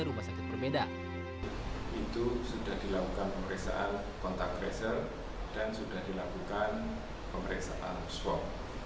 itu sudah dilakukan pemeriksaan kontak kresel dan sudah dilakukan pemeriksaan swab